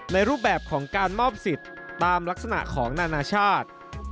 รูปแบบของการมอบสิทธิ์ตามลักษณะของนานาชาติ